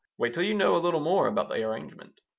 "Wait till you know a little more about the arrangement."